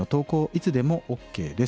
いつでもＯＫです。